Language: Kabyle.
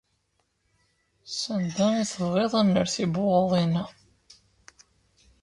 Sanda i tebɣiḍ ad nerr tibwaḍin-a?